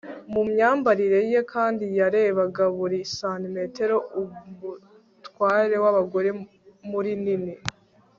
mu myambarire ye kandi yarebaga buri santimetero umutware wabagore muri nini